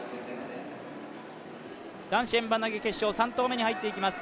男子円盤投決勝、３投目に入ります。